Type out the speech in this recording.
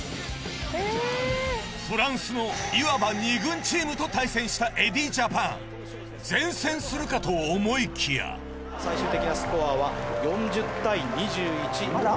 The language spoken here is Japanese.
フランスのいわば２軍チームと対戦したエディージャパン善戦するかと思いきや最終的なスコアは４０対２１。